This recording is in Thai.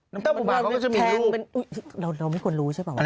น้ำเต้าปูปลาเขาก็จะมีลูกเราไม่ควรรู้ใช่ป่ะ